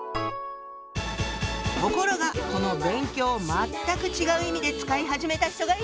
ところがこの「勉強」を全く違う意味で使い始めた人がいるの！